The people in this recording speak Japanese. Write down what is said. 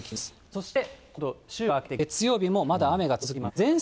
そして今度、週が明けて月曜日も、まだ雨が続きます。